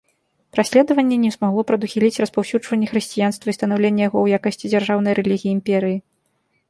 Праследаванне не змагло прадухіліць распаўсюджванне хрысціянства і станаўленне яго ў якасці дзяржаўнай рэлігіі імперыі.